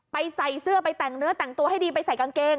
ใส่เสื้อไปแต่งเนื้อแต่งตัวให้ดีไปใส่กางเกง